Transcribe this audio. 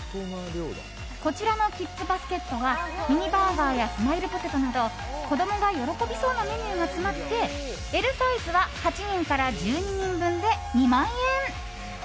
こちらのキッズバスケットはミニバーガーやスマイルポテトなど子供が喜びそうなメニューが詰まってＬサイズは８人から１２人分で２万円。